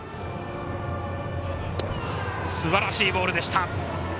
すばらしいボールでした。